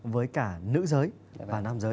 với cả nữ giới và nam giới